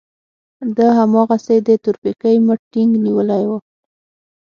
ده هماغسې د تورپيکۍ مټ ټينګ نيولی و.